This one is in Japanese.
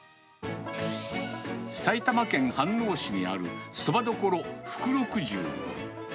埼玉県飯能市にあるそば処福六十。